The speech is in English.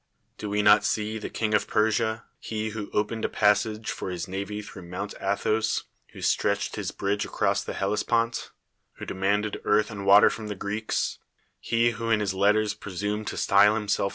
Do we not see the King of Persia, he who opened a passage for his navy tlirough Mount Athos, who stretched his bridge across the Hellespont, who demanded earth and water from the Greeks; j he who in his letters presumed to style himself